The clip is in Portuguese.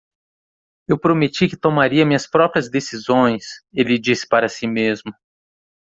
"Eu prometi que tomaria minhas próprias decisões?", ele disse para si mesmo.